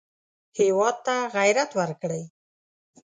هېواد ته غیرت ورکړئ